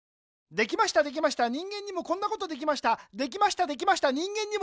できましたできました人間にもこんなことできました